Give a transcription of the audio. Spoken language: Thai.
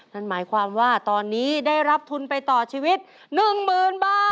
นั่นหมายความว่าตอนนี้ได้รับทุนไปต่อชีวิต๑๐๐๐บาท